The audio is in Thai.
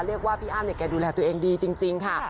พี่อ้ำเนี่ยแกดูแลตัวเองดีจริงค่ะ